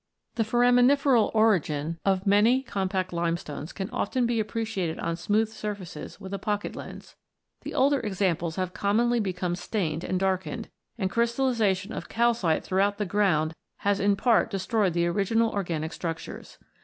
The foraminiferal origin of many compact lime stones can often be appreciated on smooth surfaces with a pocket lens. The older examples have commonly become stained and darkened, and crystallisation of calcite throughout the ground has in part destroyed the original organic struc tures.